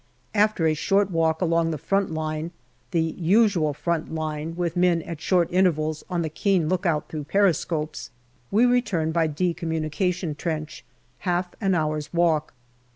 After a short walk along the front line the usual front line, with men at short intervals on the keen lookout through periscopes we return by " D " communication trench, half an hour's walk.